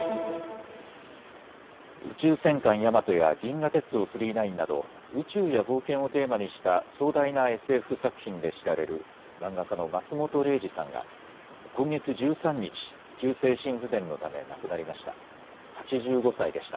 宇宙戦艦ヤマトや銀河鉄道９９９など宇宙や冒険をテーマにした壮大なＳＦ作品で知られる漫画家の松本零士さんが今月１３日、急性心不全のため亡くなりました。